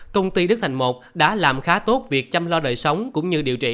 công ty đức thành một đã làm khá tốt việc chăm lo đời sống cũng như điều trị